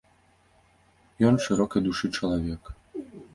Ён шырокай душы чалавек.